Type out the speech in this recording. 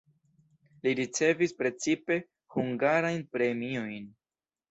Li ricevis precipe hungarajn premiojn.